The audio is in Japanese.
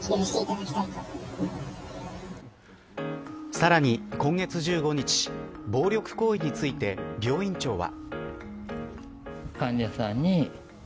さらに今月１５日暴力行為について病院長は。